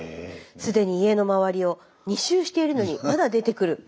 既に家のまわりを２周しているのにまだ出てくる。